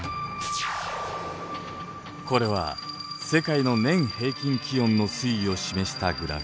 これは世界の年平均気温の推移を示したグラフ。